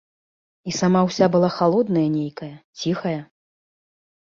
І сама ўся была халодная нейкая, ціхая.